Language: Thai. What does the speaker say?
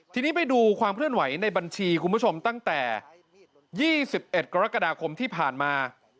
ทีนี้ไปดูความเคลื่อนไหวในบัญชีคุณผู้ชมตั้งแต่๒๑กรกฎาคมที่ผ่านมา